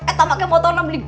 eta makanya mau tawar beli